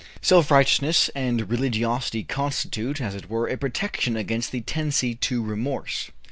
Self righteousness and religiosity constitute, as it were, a protection against the tendency to remorse.